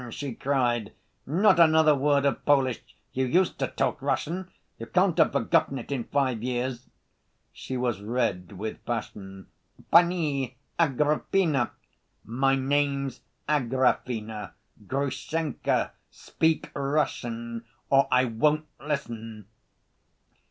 she cried, "not another word of Polish! You used to talk Russian. You can't have forgotten it in five years." She was red with passion. "Pani Agrippina—" "My name's Agrafena, Grushenka, speak Russian or I won't listen!"